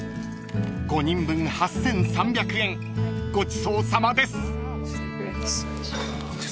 ［５人分８，３００円ごちそうさまです］